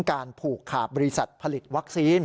การผูกขาดบริษัทผลิตวัคซีน